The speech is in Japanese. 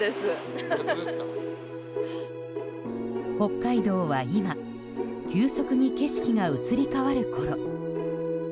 北海道は今急速に景色が移り変わるころ。